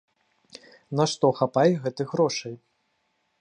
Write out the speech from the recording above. На што хапае гэтых грошай?